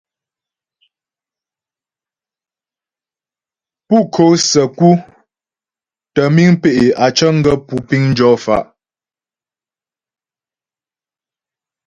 Pú ko'o səku tə́ miŋ pé' á cəŋ gaə́ pú piŋ jɔ fa'.